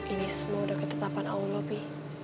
ini semua udah ketetapan allah by